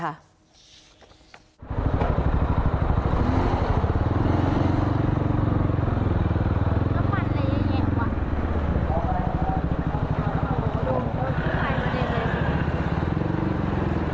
น้ำมันระยะแยะว่ะ